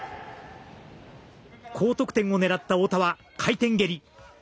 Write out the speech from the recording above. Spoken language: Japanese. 高得点をねらった太田は回転蹴り。